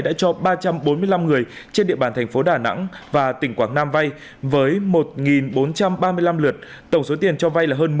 đã cho ba trăm bốn mươi năm người trên địa bàn thành phố đà nẵng và tỉnh quảng nam vay với một bốn trăm ba mươi năm lượt tổng số tiền cho vay là hơn